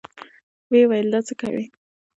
ويې ويل دا څه کوې.